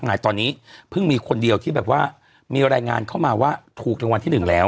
หายตอนนี้เพิ่งมีคนเดียวที่แบบว่ามีรายงานเข้ามาว่าถูกรางวัลที่หนึ่งแล้ว